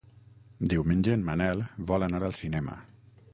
Diumenge en Manel vol anar al cinema.